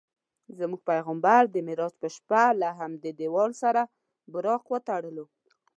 زموږ پیغمبر د معراج په شپه له همدې دیوال سره براق وتړلو.